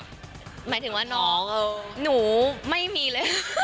หมายถึงว่าน้องหนูไม่มีเลย